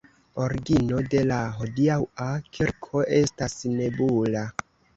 Origino de la hodiaŭa kirko estas nebula.